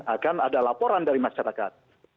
akan ada laporan dari masyarakat